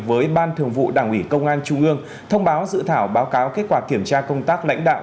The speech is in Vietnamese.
với ban thường vụ đảng ủy công an trung ương thông báo dự thảo báo cáo kết quả kiểm tra công tác lãnh đạo